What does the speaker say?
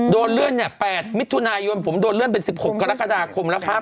เลื่อนเนี่ย๘มิถุนายนผมโดนเลื่อนเป็น๑๖กรกฎาคมแล้วครับ